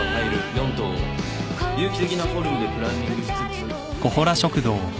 ４棟を有機的なフォルムでプランニングしつつ。